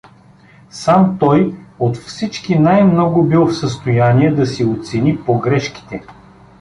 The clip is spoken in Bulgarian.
Сам той от всички най-много бил в състояние да си оцени погрешките.